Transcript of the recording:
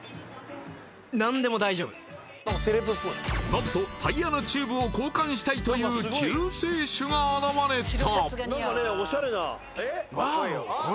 何とタイヤのチューブを交換したいという救世主が現れた！